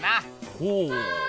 ほう！